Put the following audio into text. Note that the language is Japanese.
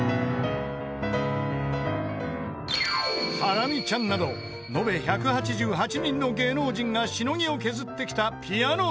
［ハラミちゃんなど延べ１８８人の芸能人がしのぎを削ってきたピアノＴＥＰＰＥＮ］